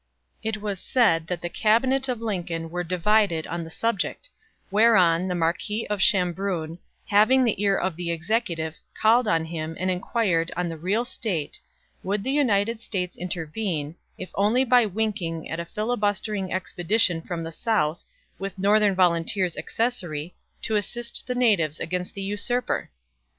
It was said that the Cabinet of Lincoln were divided on the subject; whereon the Marquis of Chambrun, having the ear of the Executive, called on him, and inquired on the real state would the United States intervene, if only by winking at a filibustering expedition from the South, with Northern volunteers accessory, to assist the natives against the usurper?